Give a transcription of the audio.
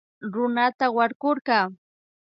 Runata warkurka